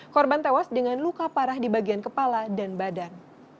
korban tewas dengan luka parah di bagian kepala dan badan